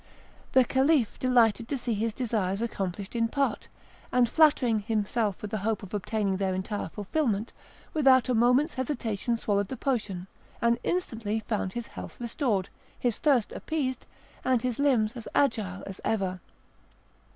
The Caliph delighted to see his desires accomplished in part, and flattering himself with the hope of obtaining their entire fulfilment, without a moment's hesitation swallowed the potion, and instantaneously found his health restored, his thirst appeased, and his limbs as agile as ever.